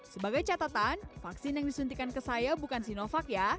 sebagai catatan vaksin yang disuntikan ke saya bukan sinovac ya